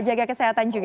jaga kesehatan juga